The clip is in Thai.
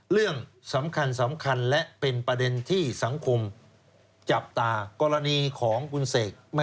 เรื่องสำคัญสำคัญและเป็นประเด็นที่สังคมจับตากรณีของคุณเสก